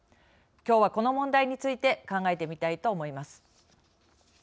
きょうはこの問題について考えてみたいと思います。